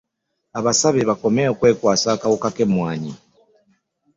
Abasabye bakomye okwekwasa akawuka k'emmwanyi.